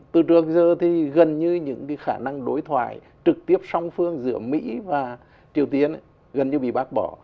từ trước giờ thì gần như những khả năng đối thoại trực tiếp song phương giữa mỹ và triều tiên gần như bị bác bỏ